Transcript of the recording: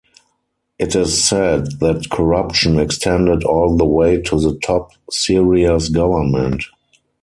It is said that corruption extended all the way to the top Syria's government.